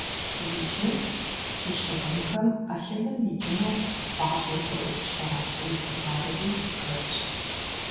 Иджы си щыгъынхэм Ӏэлъыным икӀыну пӀащӀэу зэӀупща уи цыхъарри хэлъщ.